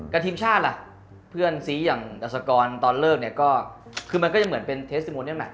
กะทิมชาติเพื่อนซีทักษกรอนตอนเริ่มก็อาจจะเป็นเทสติโมน